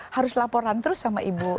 harus laporan terus sama ibu